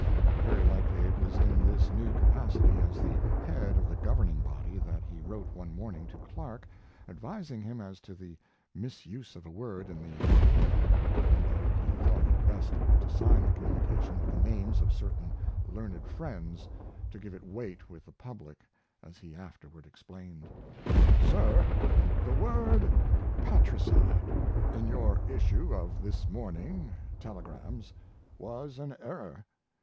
Very likely it was in this new capacity, as the head of the governing body, that he wrote one morning to Clark advising him as to the misuse of a word in the Courant, though he thought it best to sign the communication with the names of certain learned friends, to give it weight with the public, as he afterward explained. SIR, The word "patricide" in your issue of this morning (telegrams) was an error.